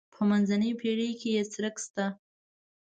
په منځنۍ پېړۍ کې یې څرک شته.